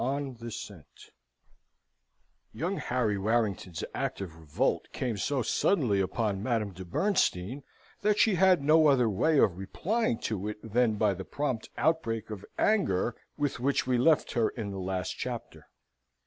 On the Scent Young Harry Warrington's act of revolt came so suddenly upon Madame de Bernstein, that she had no other way of replying to it, than by the prompt outbreak of anger with which we left her in the last chapter.